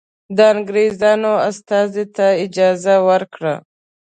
د انګرېزانو استازي ته اجازه ورکړه.